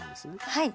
はい。